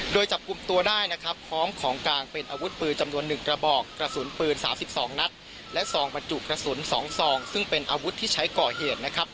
โดยจับกลุ่มตัวได้นะครับพร้อมของกลางเป็นอาวุธปืนจำนวน๑กระบอกกระสุนปืน๓๒นัดและซองบรรจุกระสุน๒ซองซึ่งเป็นอาวุธที่ใช้ก่อเหตุนะครับ